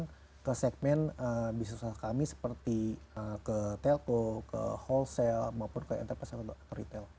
seimbang ke segmen bisnis usaha kami seperti ke telco ke wholesale maupun ke enterprise atau retail